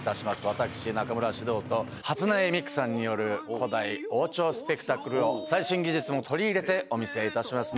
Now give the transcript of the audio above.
私中村獅童と初音ミクさんによる古代王朝スペクタクルを最新技術も取り入れてお見せいたします。